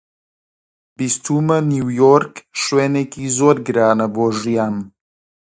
بیستوومە نیویۆرک شوێنێکی زۆر گرانە بۆ ژیان.